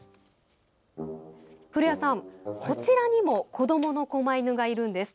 古谷さん、こちらにも子どものこま犬がいるんです。